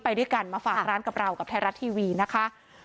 ไปด้วยกันมาฝากร้านกับเรากับไทยรัฐทีวีนะคะ